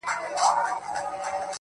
هغه سړی کلونه پس دی، راوتلی ښار ته,